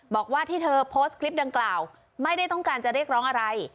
บอกว่าที่เธอโพสต์คลิปดังกล่าวไม่ได้ต้องการจะเรียกร้องอะไร